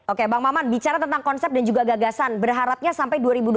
oke bang maman bicara tentang konsep dan juga gagasan berharapnya sampai dua ribu dua puluh